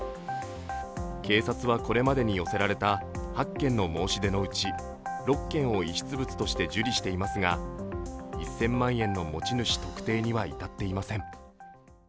警察はこれまでに寄せられた８件の申し出のうち６件を遺失物として受理していますが１０００万円の持ち主特定には至っていません。